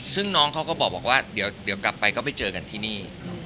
ซึ่งน้องเขาก็บอกว่าเดี๋ยวกลับไปก็ไปเจอกันที่นี่